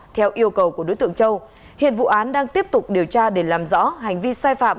theo yêu cầu của đối tượng châu hiện vụ án đang tiếp tục điều tra để làm rõ hành vi sai phạm